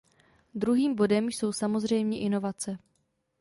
Druhým bodem jsou samozřejmě inovace.